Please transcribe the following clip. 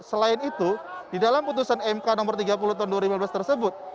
selain itu di dalam putusan mk nomor tiga puluh tahun dua ribu lima belas tersebut